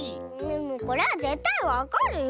これはぜったいわかるよ。